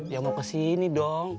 ya mau kesini dong